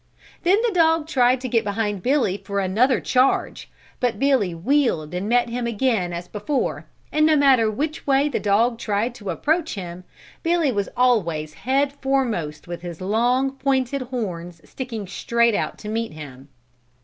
Then the dog tried to get behind Billy for another charge but Billy wheeled and met him again as before and no matter which way the dog tried to approach him, Billy was always head foremost with his long, pointed horns sticking straight out to meet him.